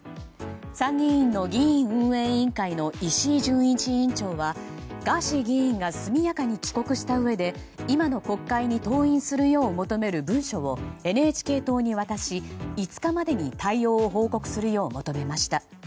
参議院の議院運営委員会の石井準一委員長はガーシー議員が速やかに帰国したうえで今の国会に登院するよう求める文書をＮＨＫ党に渡し、５日までに対応を報告するよう求めました。